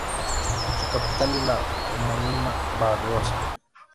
Su capital es la homónima Basora.